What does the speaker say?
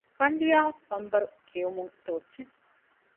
ފަންރިޔާ ފެންބަރު ކެއުމުން ތޯއްޗެއް